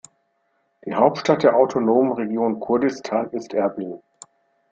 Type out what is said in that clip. Die Hauptstadt der autonomen Region Kurdistan ist Erbil.